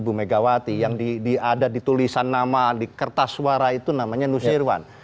bu megawati yang ada di tulisan nama di kertas suara itu namanya nusirwan